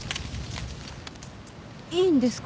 いいんですか？